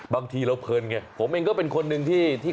บางทีเราเพลินไงผมเองก็เป็นคนหนึ่งที่